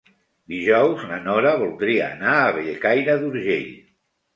Dijous na Nora voldria anar a Bellcaire d'Urgell.